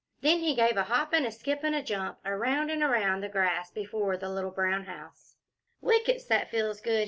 Then he gave a hop and skip and jump around and around the grass before the little brown house. "Whickets! that feels good!"